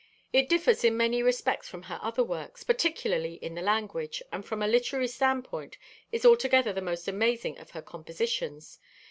It differs in many respects from her other works, particularly in the language, and from a literary standpoint is altogether the most amazing of her compositions.